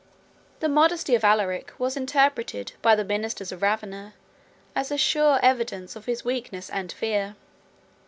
The modesty of Alaric was interpreted, by the ministers of Ravenna, as a sure evidence of his weakness and fear.